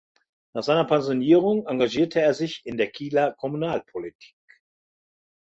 Nach seiner Pensionierung engagierte er sich in der Kieler Kommunalpolitik.